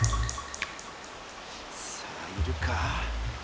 さあいるか？